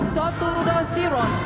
satu ruda xerox